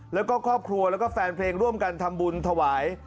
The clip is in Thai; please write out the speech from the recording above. แล้วก็ครอบครัวแล้วก็แฟนเพลงร่วมกันทำบุญถวาย